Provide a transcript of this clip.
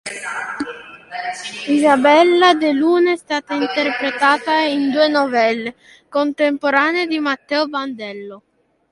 Isabella de Luna è stata interpretata in due "Novelle" contemporanee di Matteo Bandello.